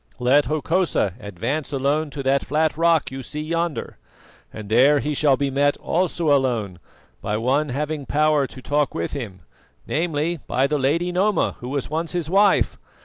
Let Hokosa advance alone to that flat rock you see yonder, and there he shall be met, also alone, by one having power to talk with him, namely, by the Lady Noma, who was once his wife.